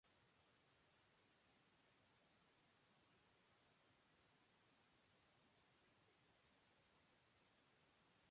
De su patrimonio arquitectónico destaca la ermita de San Miguel y un humilladero.